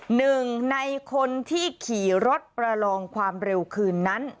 หนึ่งในคนที่ขี่รถประลองความเร็วคืนนั้น